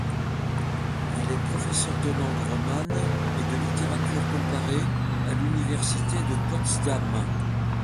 Il est professeur de langues romanes et de littérature comparée à l'université de Potsdam.